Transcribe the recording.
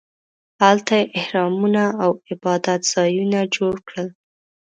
هلته یې اهرامونو او عبادت ځایونه جوړ کړل.